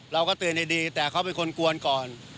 เราก็เตือนดีแต่เขาเป็นคนกวนก่อน